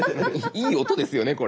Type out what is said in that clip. いい音ですよねこれ。